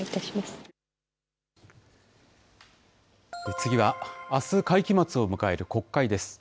次は、あす会期末を迎える国会です。